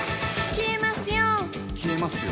「消えますよ」